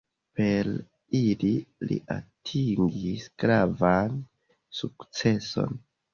Per ili li atingis gravan sukceson.